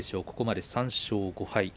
ここまで３勝５敗。